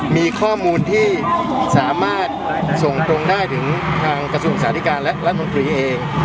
มีข้อมูลที่สามารถส่งตรงได้ถึงทางกระทรูปสาธิการและลักษณ์มงคลีเอง